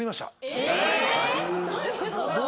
どういうこと？